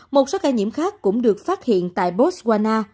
một số ca nhiễm khác cũng được phát hiện tại botswana